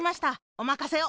おまかせを！